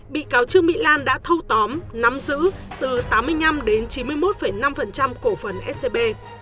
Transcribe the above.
bị cáo trương mỹ lan đã thâu tóm nắm giữ từ tám mươi năm đến chín mươi một năm cổ phần scb